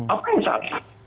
apa yang salah